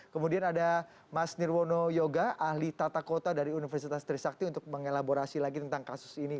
kemudian ada mas nirwono yoga ahli tata kota dari universitas trisakti untuk mengelaborasi lagi tentang kasus ini